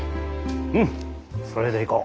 うんそれでいこう。